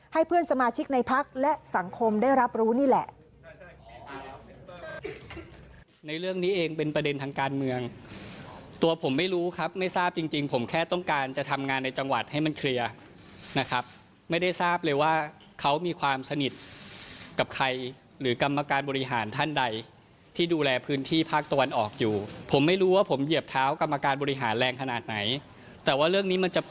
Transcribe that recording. ให้เพื่อนสมาชิกในพักและสังคมได้รับรู้นี่แหละ